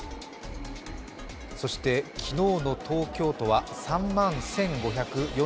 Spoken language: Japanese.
そして昨日の東京都は３万１５４１人。